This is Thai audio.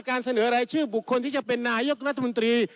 การเสนอรายชื่อบุคคลที่จะเป็นนายกรัฐมนตรี